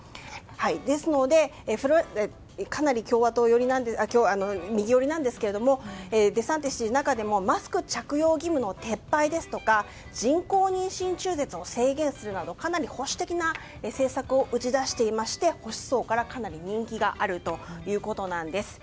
ですのでかなり右寄りなんですがデサンティス知事、中でもマスク着用義務の撤廃ですとか人工妊娠中絶を制限するなどかなり保守的な政策を打ち出していまして、保守層からかなり人気があるということなんです。